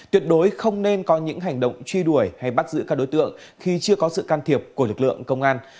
tuyệt đối không nên có những hành động truy đuổi hay bắt giữ các đối tượng khi chưa có sự can thiệp của lực lượng công an